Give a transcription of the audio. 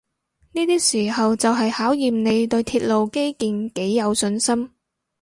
呢啲時候就係考驗你對鐵路基建幾有信心